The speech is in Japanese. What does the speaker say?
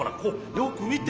よくみて。